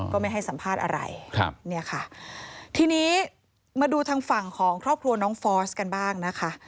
ก็ไม่ให้สัมภาษณ์อะไรทีนี้มาดูทางฝั่งของครอบครัวน้องฟอสกันบ้างนะคะ